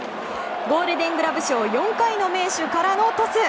ゴールデングラブ賞４回の名手からのトス！